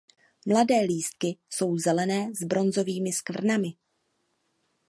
Mladé lístky jsou zelené s bronzovými skvrnami.